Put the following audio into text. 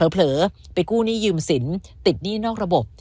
เผลอไปกู้หนี้ยืมสินติดหนี้นอกระบบ